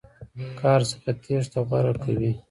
کار څخه تېښته غوره کوي.